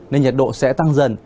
nên nhiệt độ sẽ tăng dần